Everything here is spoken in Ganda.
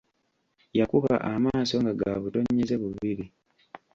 Yakuba amaaso nga gabutonyeze bubiri.